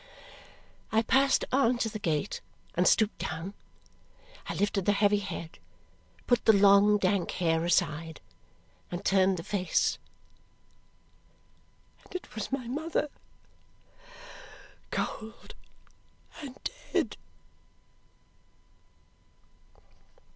I passed on to the gate and stooped down. I lifted the heavy head, put the long dank hair aside, and turned the face. And it was my mother, cold and dead.